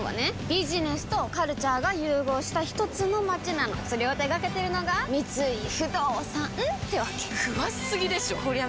ビジネスとカルチャーが融合したひとつの街なのそれを手掛けてるのが三井不動産ってわけ詳しすぎでしょこりゃ